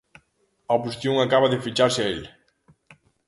A oposición acaba de fecharse a el.